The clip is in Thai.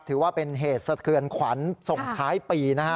ถือว่าเป็นเหตุสะเทือนขวัญส่งท้ายปีนะฮะ